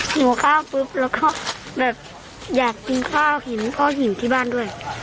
หิวข้าวปุ๊บแล้วก็แบบอยากกินข้าวหิวพ่อหิวที่บ้านด้วย